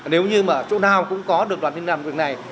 nếu như mà chỗ nào cũng có được đoàn thanh niên làm việc này